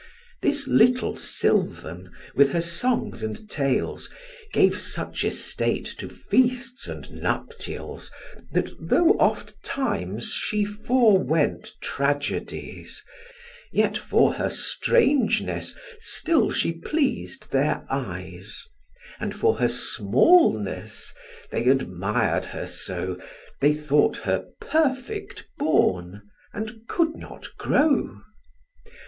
This little sylvan, with her songs and tales, Gave such estate to feasts and nuptials, That though ofttimes she forewent tragedies, Yet for her strangeness still she pleas'd their eyes; And for her smallness they admir'd her so, They thought her perfect born, and could not grow.